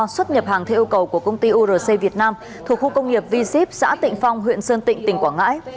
xuất nhập hàng theo yêu cầu của công ty urc việt nam thuộc khu công nghiệp v ship xã tịnh phong huyện sơn tịnh tỉnh quảng ngãi